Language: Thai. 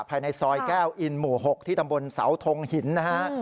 ภายในซอยแก้วอินหมู่๖ที่ตำบลเสาทงหินนะฮะ